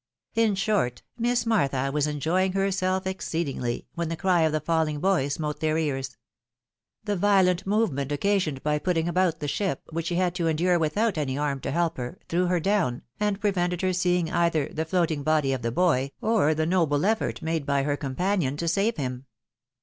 In short. Miss Martha was enjoying herself exceedingly, when the cry of the falling boy smote their ears. The violent movement occasioned by putting about the ship, which she had to endure without any arm to help her, threw her down, and prevented her seeing either the floating body of the boy, or the noble effort made by her companion to save him.